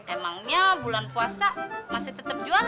emangnya bulan puasa masih tetap jual